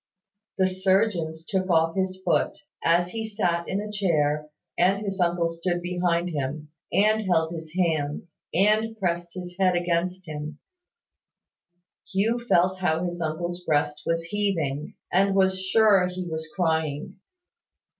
The surgeons took off his foot. As he sat in a chair, and his uncle stood behind him, and held his hands, and pressed his head against him, Hugh felt how his uncle's breast was heaving, and was sure he was crying.